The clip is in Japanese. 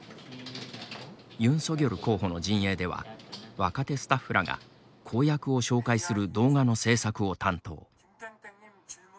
ユン・ソギョル候補の陣営では若手スタッフらが公約を紹介する動画の制作を担当。